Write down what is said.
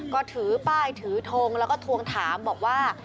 ก็ถือป้ายถือทงแล้วก็ทวงถามบอกว่า